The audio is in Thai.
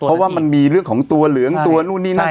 เพราะว่ามันมีเรื่องของตัวเหลืองตัวนู่นนี่นั่น